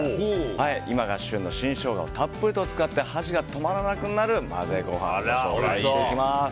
今が旬の新ショウガをたっぷりと使って箸が止まらなくなる混ぜご飯をご紹介していきます。